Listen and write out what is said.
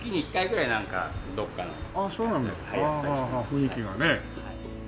雰囲気がね。